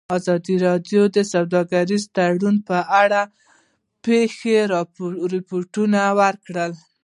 ازادي راډیو د سوداګریز تړونونه په اړه د پېښو رپوټونه ورکړي.